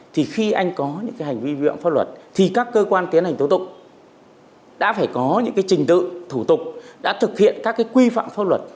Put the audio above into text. thì khi anh có những hành vi vi phạm pháp luật thì các cơ quan tiến hành thủ tục đã phải có những trình tự thủ tục đã thực hiện các quy phạm pháp luật